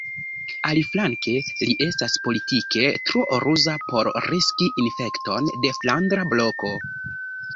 Aliflanke, li estas politike tro ruza por riski infekton de Flandra Bloko.